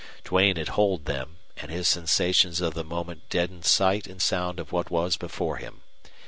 Duane had holed them, and his sensations of the moment deadened sight and sound of what was before him.